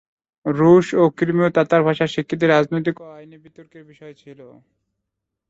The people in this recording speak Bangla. রুশ ও ক্রিমীয় তাতার ভাষার স্বীকৃতি রাজনৈতিক ও আইনি বিতর্কের বিষয় ছিল।